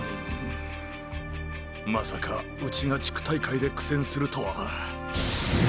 まさかうちが地区大会で苦戦するとは。